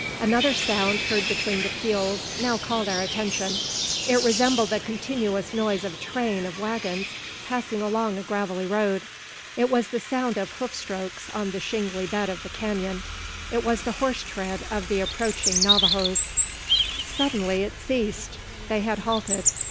Another sound, heard between the peals, now called our attention. It resembled the continuous noise of a train of waggons passing along a gravelly road. It was the sound of hoof strokes on the shingly bed of the canon. It was the horse tread of the approaching Navajoes! Suddenly it ceased. They had halted.